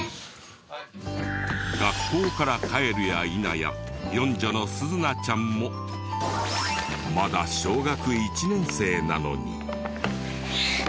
学校から帰るやいなや四女の鈴奈ちゃんもまだ小学１年生なのに。